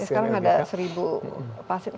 sekarang ada seribu pasien